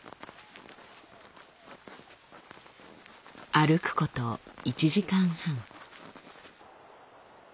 歩くこと１時間半。